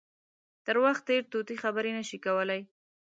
تر وخت تېر طوطي خبرې نه شي کولای.